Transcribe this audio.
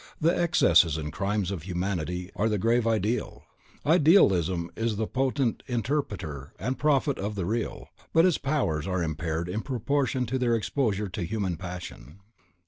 The excesses and crimes of Humanity are the grave of the Ideal. Author.) Idealism is the potent Interpreter and Prophet of the Real; but its powers are impaired in proportion to their exposure to human passion.